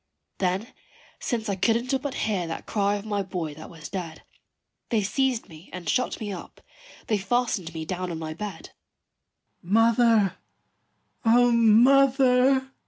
Then since I couldn't but hear that cry of my boy that was dead, They seized me and shut me up: they fastened me down on my bed. "Mother, O mother!"